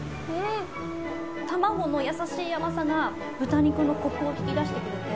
卵の優しい甘さが豚肉のコクを引き出してくれて。